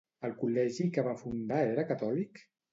El col·legi que va fundar era catòlic?